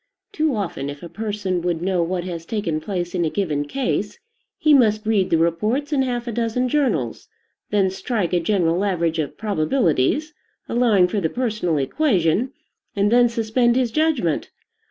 Too often, if a person would know what has taken place in a given case, he must read the reports in half a dozen journals, then strike a general average of probabilities, allowing for the personal equation, and then suspend his judgment.